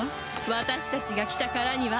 私たちが来たからには。